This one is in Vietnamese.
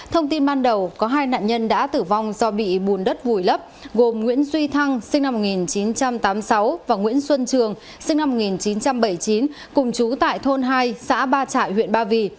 thông tin ban đầu có hai nạn nhân đã tử vong do bị bùn đất vùi lấp gồm nguyễn duy thăng sinh năm một nghìn chín trăm tám mươi sáu và nguyễn xuân trường sinh năm một nghìn chín trăm bảy mươi chín cùng chú tại thôn hai xã ba trại huyện ba vì